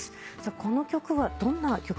この曲はどんな曲ですか？